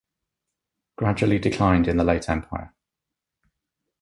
Gradually declined in the late Empire.